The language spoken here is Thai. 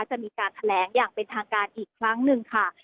จะมีการแถลงอย่างเป็นทางการอีกครั้งหนึ่งค่ะ